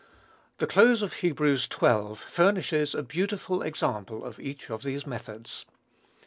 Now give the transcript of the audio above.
The close of Hebrews xii. furnishes a beautiful example of each of these methods.